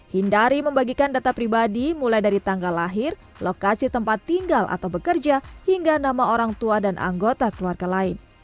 hindari membagikan data pribadi mulai dari tanggal lahir lokasi tempat tinggal atau bekerja hingga nama orang tua dan anggota keluarga lain